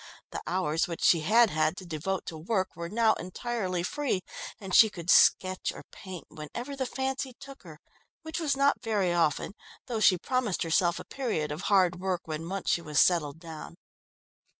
The hours which she had had to devote to work were now entirely free, and she could sketch or paint whenever the fancy took her which was not very often, though she promised herself a period of hard work when once she was settled down.